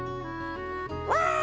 わあ！